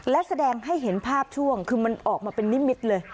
และแสดงให้เห็นภาพช่วงคือมันออกมาเป็นนิมิตรเลย